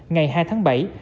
ngày hai tháng bảy